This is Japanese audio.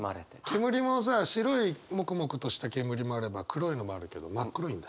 煙もさ白いモクモクとした煙もあれば黒いのもあるけど真っ黒いんだ？